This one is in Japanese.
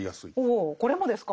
おおこれもですか？